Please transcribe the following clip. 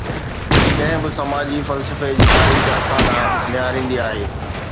ڪنهن به سماجي فلسفي جي تاريخ اسان ڏانهن نهاريندي آهي.